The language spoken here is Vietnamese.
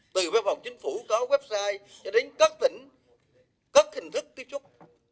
từ văn phòng chính phủ có website cho đến các tỉnh các hình thức tiếp xúc